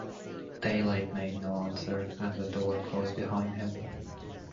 Daylight made no answer, and the door closed behind him.